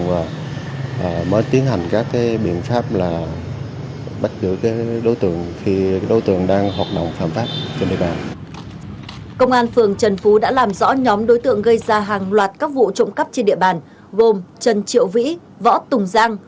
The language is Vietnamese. gồm trần triệu vĩ võ tùng giang võ tùng giang võ tùng giang võ tùng giang võ tùng giang võ tùng giang